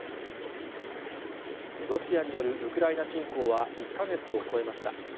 ロシアによるウクライナ侵攻は１か月を超えました。